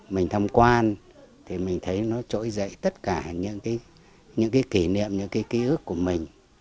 mình thăm quan thì mình thấy nó trỗi dậy tất cả những cái những cái kỷ niệm những cái ký ức của mình